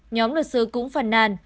nhóm luật sư cũng phản nàn